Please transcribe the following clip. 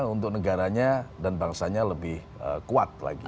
untuk negaranya dan bangsanya lebih kuat lagi